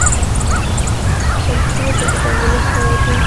تر څو د خپل ولس توجه